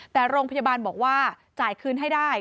แต่โรงพยาบาลบอกว่าจ่ายคืนให้ได้